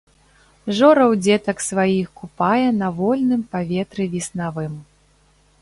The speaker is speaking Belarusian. Жораў дзетак сваіх купае на вольным паветры веснавым.